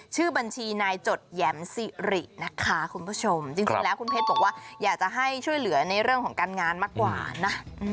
จริงแล้วคุณเพชรบอกว่าอยากจะให้ช่วยเหลือในเรื่องของการงานมากกว่านะ